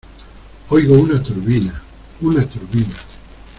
oigo una turbina, una turbina.